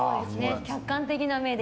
客観的な目で。